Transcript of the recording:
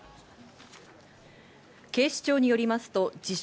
警視庁によりますと自称